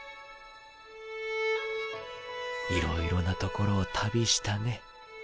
いろいろな所を旅したね。